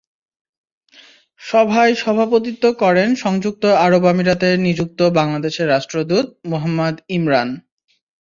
সভায় সভাপতিত্ব করেন সংযুক্ত আরব আমিরাতে নিযুক্ত বাংলাদেশের রাষ্ট্রদূত মুহাম্মদ ইমরান।